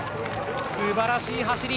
すばらしい走り！